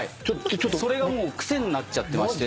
それがもう癖になっちゃってまして。